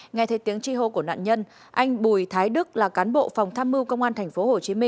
nghe thấy tiếng chi hô của nạn nhân anh bùi thái đức là cán bộ phòng tham mưu công an tp hcm